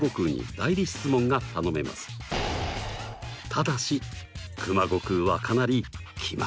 ただし熊悟空はかなり気まぐれです。